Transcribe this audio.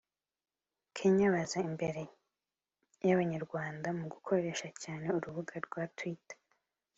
Indi mpamvu ni uko abanya-Kenya baza imbere y’abanyarwanda mu gukoresha cyane urubuga rwa Twitter